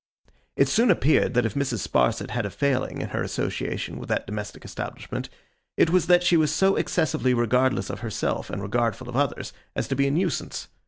It soon appeared that if Mrs. Sparsit had a failing in her association with that domestic establishment, it was that she was so excessively regardless of herself and regardful of others, as to be a nuisance.